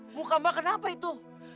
muka mbak kenapa itu